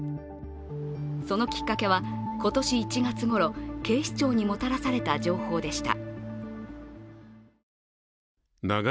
そのきっかけは、今年１月ごろ、警視庁にもたらされた情報でした。